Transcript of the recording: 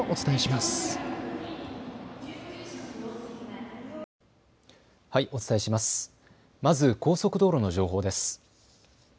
まず高速道路の情報です。